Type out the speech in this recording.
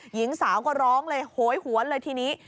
หญิงสาวก็ร้องเลยโหยหวนเลยทีนี้